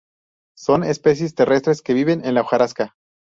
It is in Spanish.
Son especies terrestres que viven en la hojarasca.